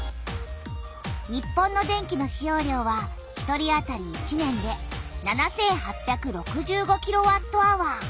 日本の電気の使用量は１人あたり１年で７８６５キロワットアワー。